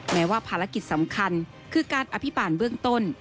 แม้ว่าภารกิจสำคัญคือการอภิบาลเบื้องต้น